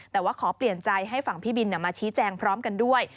แต่ว่าขอเปลี่ยนใจให้ฝั่งพี่บินมาชี้แจงพร้อมกันด้วย